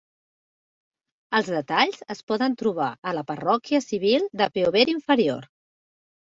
Els detalls es poden trobar a la parròquia civil de Peover Inferior.